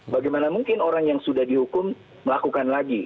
bagaimana mungkin orang yang sudah dihukum melakukan lagi